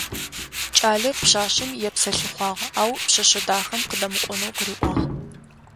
Кӏалэр пшъашъэм епсэлъыхъуагъ, ау пшъэшъэ дахэм къыдэмыкӏонэу къыриӏуагъ.